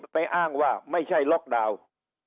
อ้างว่าไม่ใช่ล็อกดาวน์